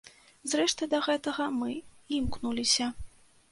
Зрэшты, да гэтага мы і імкнуліся.